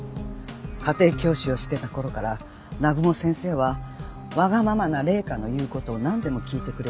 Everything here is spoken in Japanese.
家庭教師をしてた頃から南雲先生はわがままな麗華の言う事をなんでも聞いてくれる人でした。